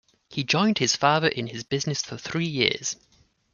He joined his father in his business for three years.